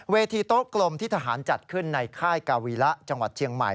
เวทีโต๊ะกลมที่ทหารจัดขึ้นในค่ายกาวีระจังหวัดเชียงใหม่